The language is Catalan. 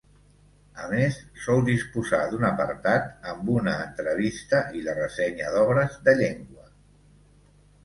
A més sol disposar d'un apartat amb una entrevista i la ressenya d’obres de llengua.